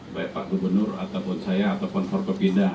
baik pak gubernur ataupun saya ataupun forkom pimda